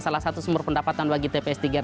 salah satu sumber pendapatan bagi tps tiga ratus